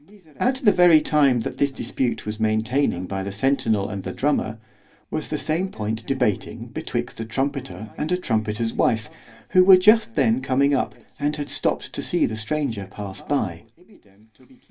At the very time that this dispute was maintaining by the centinel and the drummer—was the same point debating betwixt a trumpeter and a trumpeter's wife, who were just then coming up, and had stopped to see the stranger pass by.